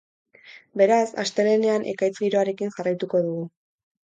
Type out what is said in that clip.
Beraz, astelehenean ekaitz-giroarekin jarraituko dugu.